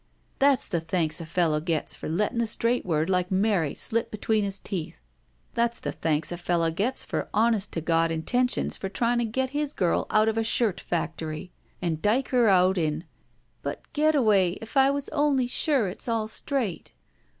"That's the thanks a fellow gets for letting a straight word like 'marry' slip between his teeth; that's . the thanks a fellow gets for honest to God intentions of trying to get his girl oUt of a shirt factory aiid dike her out in —" "But, Getaway, if I was only sure it's all straight!